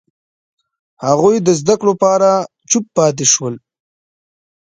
هغوی د زده کړو په اړه چوپ پاتې شول.